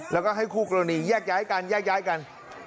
แล้วก็ให้คู่กรณีแยกย้ายกันแยกย้ายกัน